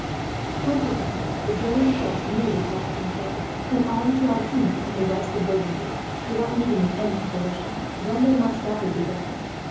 Consequently, the German force moved across Comte and on to Autun, in the west of Burgundy, without meeting with any opposition. Then they marched rapidly down.